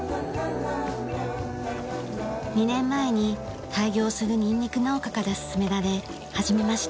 ２年前に廃業するニンニク農家から勧められ始めました。